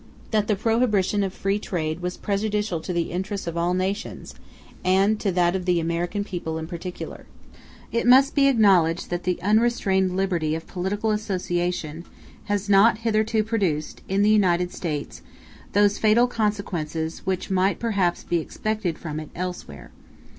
That the prohibition of free trade was prejudicial to the interests of all nations, and to that of the American people in particular. It must be acknowledged that the unrestrained liberty of political association has not hitherto produced, in the United States, those fatal consequences which might perhaps be expected from it elsewhere.